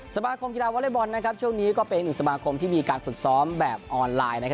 สมาคมกีฬาวอเล็กบอลช่วงนี้ก็เป็นอีกสมาคมที่มีการฝึกซ้อมแบบออนไลน์